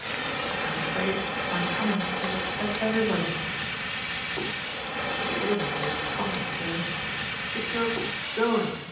"I'm afraid my coming has upset everybody." "It isn't your coming, sir, it's your going.